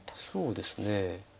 そうですね。